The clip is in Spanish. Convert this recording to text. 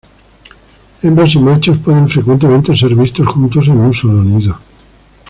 Hembras y machos pueden frecuentemente ser vistos juntos en un solo nido.